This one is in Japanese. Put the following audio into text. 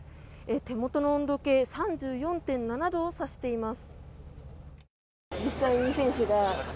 手元の温度計３４．７度を指しています。